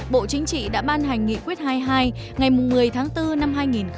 bộ chính trị đã ban hành nghị quyết hai mươi hai ngày một mươi tháng bốn năm hai nghìn một mươi chín